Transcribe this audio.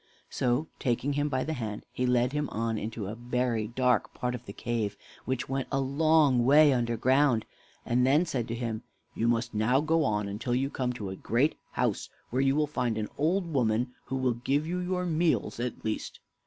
So, taking him by the hand, he led him on into a very dark part of the cave, which went a long way under ground, and then said to him: "You must now go on until you come to a great house, where you will find an old woman, who will give you your meals at least."